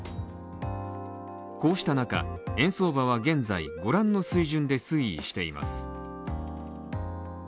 こうした中、円相場は現在御覧の水準で推移しています。